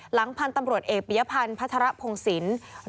หลังพันธุ์ตำรวจเอกปียพันธ์พัฒระพงศิลป์